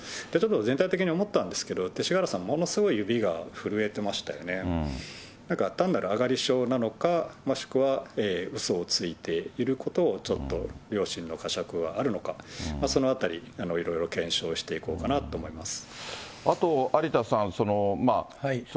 全体的に思ったんですけど、勅使河原さん、ものすごい指が震えてましたよね、なんか、単なるあがり性なのか、もしくはうそをついていることをちょっと良心のかしゃくはあるのか、そのあたり、いろいろ検証していこうかなと思います。